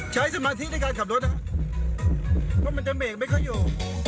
ใช้สมัครที่ในการขับรถนะฮะเพราะมันจะเมคไม่ค่อยอยู่